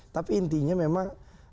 tapi intinya memang